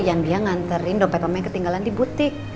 yang dia nganterin dompet mama yang ketinggalan di butik